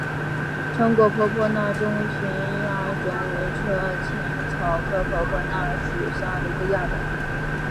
长果婆婆纳中甸亚种为车前草科婆婆纳属下的一个亚种。